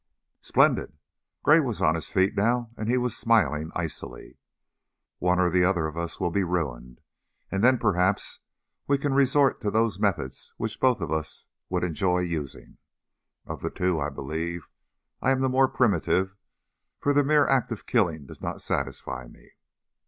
"Splendid!" Gray was on his feet now and he was smiling icily. "One or the other of us will be ruined, and then perhaps we can resort to those methods which both of us would enjoy using. Of the two, I believe I am the more primitive, for the mere act of killing does not satisfy me.